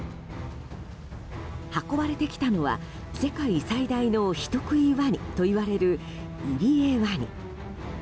運ばれてきたのは世界最大の人食いワニといわれるイリエワニ。